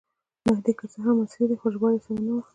مهدي که څه هم مصری دی خو ژباړه یې سمه نه وه.